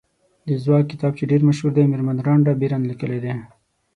د ځواک کتاب چې ډېر مشهور دی مېرمن رانډا بېرن لیکلی دی.